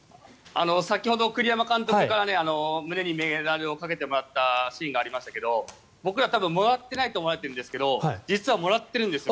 先ほど、栗山監督から胸にメダルをかけてもらったシーンがありましたが僕は多分もらっていないと思われているんですが実はもらっているんですよ。